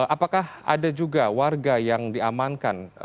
apakah ada juga warga yang diamankan